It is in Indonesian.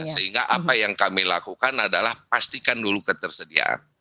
sehingga apa yang kami lakukan adalah pastikan dulu ketersediaan